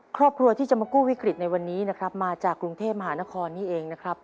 ครอบครัวที่จะมากู้วิกฤตในวันนี้นะครับมาจากกรุงเทพมหานครนี่เองนะครับ